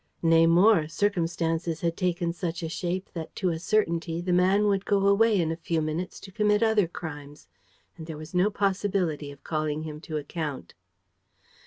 Nay more, circumstances had taken such a shape that, to a certainty, the man would go away in a few minutes, to commit other crimes, and there was no possibility of calling him to account.